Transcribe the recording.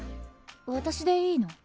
私でいいの？